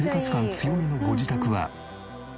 強めのご自宅は。